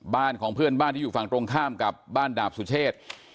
บ้านของเพื่อนบ้านที่อยู่ฝั่งตรงข้ามกับบ้านดาบสุเชษ